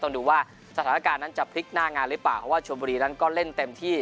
ดูว่าสถานการณ์นั้นจะพลิกหน้างานหรือเปล่าเพราะว่าชวนบุรีนั้นก็เล่นเต็มที่